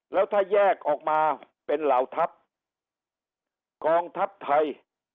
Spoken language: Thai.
แล้วถ้าแยกออกมาเป็นเหล่าทัพกองทัพไทย